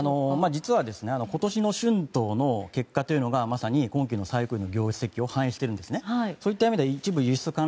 実は今年の春闘の結果というのがまさに今期の業績を反映してるんですね。